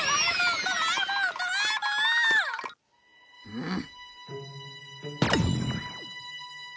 うん。